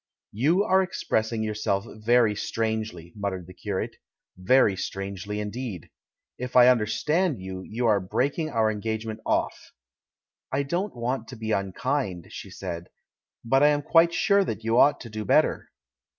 "You are expressing yourself very strangely,'* muttered the curate, "very strangely, indeed! If I understand you, you are breaking our engage ment off." "I don't want to be unkind," she said, "but I am quite sure that you ought to do better."